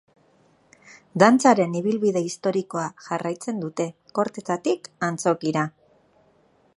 Dantzaren ibilbide historikoa jarraitzen dute, kortetatik antzokira.